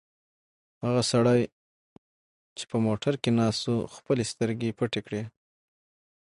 هغه سړی چې په موټر کې ناست و خپلې سترګې پټې کړې.